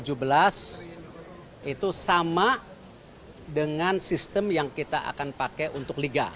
u tujuh belas itu sama dengan sistem yang kita akan pakai untuk liga